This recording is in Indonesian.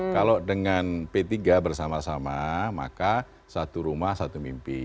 kalau dengan p tiga bersama sama maka satu rumah satu mimpi